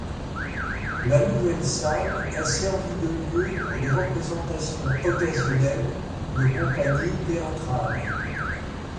La nouvelle salle a servi de lieu pour des représentations occasionnelles de compagnies théâtrales.